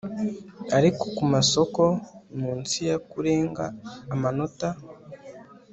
ariko kumasoko Munsi ya Kurenga amanota